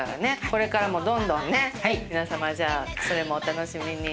これからもどんどんね皆様じゃあそれもお楽しみに！